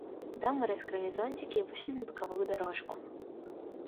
Дамы раскрыли зонтики и вышли на боковую дорожку.